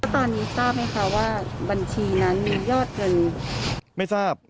ตอนนี้ทราบไหมคะว่าบัญชีนั้นมียอดเงินไม่ทราบ